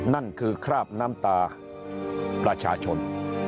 นั่นคือคราบน้ำตาประชาชน